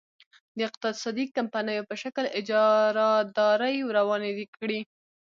د اقتصادي کمپنیو په شکل اجارادارۍ روانې کړي.